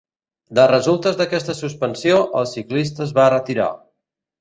De resultes d'aquesta suspensió, el ciclista es va retirar.